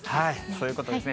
そういうことですね。